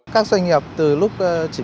các doanh nghiệp từ lúc chỉnh